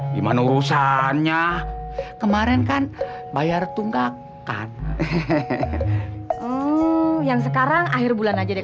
gimana urusannya kemarin kan bayar tunggakan hehehe yang sekarang akhir bulan aja deh